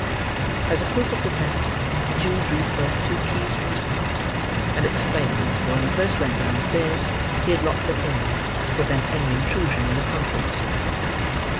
As a proof of the fact, the Jew drew forth two keys from his pocket; and explained, that when he first went downstairs, he had locked them in, to prevent any intrusion on the conference.